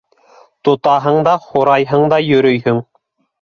— Тотаһың да һорайһың да йөрөйһөң.